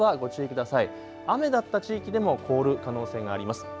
雨だった地域でも凍る可能性があります。